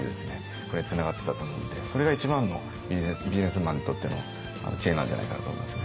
これにつながってたと思うのでそれが一番のビジネスマンにとっての知恵なんじゃないかなと思いますね。